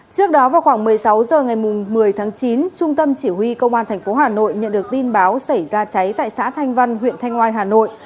trước đó vào khoảng một mươi sáu h ngày một mươi tháng chín trung tâm chỉ huy công an tp hà nội nhận được tin báo xảy ra cháy tại xã thanh văn huyện thanh oai hà nội